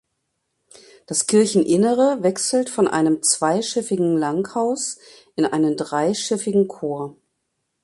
Das Kircheninnere wechselt von einem zweischiffigen Langhaus in einen dreischiffigen Chor.